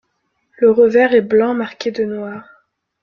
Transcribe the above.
Le revers est blanc marqué de noir.